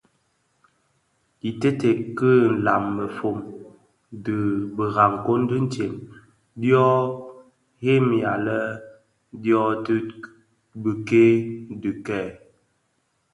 Iteeted ki nlaň mefom di Birakoň ditsem dyo dhemiya lè dyotibikèè dhikèè.